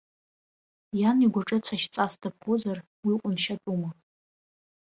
Иан игәаҿы цәашьҵас дыԥхозар, уи ҟәыншьатәума.